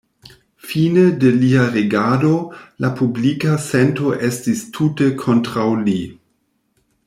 Fine de lia regado, la publika sento estis tute kontraŭ li.